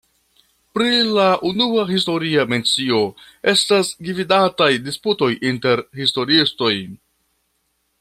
Pri la unua historia mencio estas gvidataj disputoj inter historiistoj.